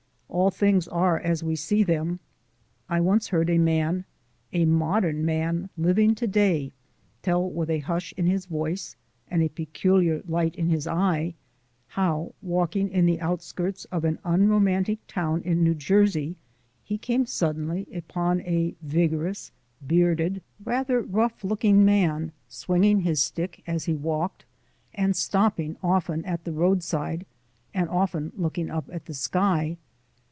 All things are as we see them. I once heard a man a modern man, living to day tell with a hush in his voice, and a peculiar light in his eye, how, walking in the outskirts of an unromantic town in New Jersey, he came suddenly upon a vigorous, bearded, rather rough looking man swinging his stick as he walked, and stopping often at the roadside and often looking up at the sky.